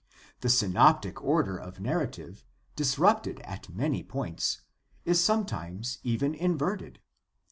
The synoptic order of narrative, disrupted at many points, is sometimes even inverted.